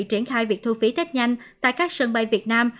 triển khai việc thu phí tết nhanh tại các sân bay việt nam